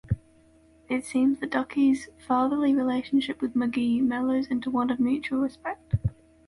It seems that Ducky's fatherly relationship with McGee mellows into one of mutual respect.